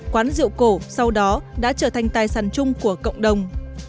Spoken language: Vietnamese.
quán rượu cổ sau đó đã trở thành tài sản chung của cộng đồng